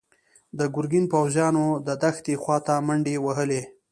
د ګرګين پوځيانو د دښتې خواته منډې وهلي.